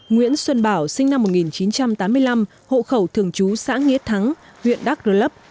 nguyễn xuân bảo sinh năm một nghìn chín trăm tám mươi năm hộ khẩu thường trú xã nghĩa thắng huyện đắk rơ lấp